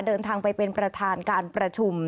เดินทางไปเป็นประธานการประชุม